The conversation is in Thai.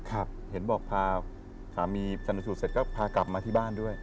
เห็นบอกพาสามีชนสูตรเสร็จก็พากลับมาที่บ้านด้วย